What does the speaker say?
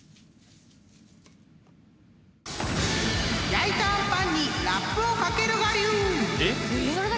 ［焼いたあんパンにラップを掛ける我流！］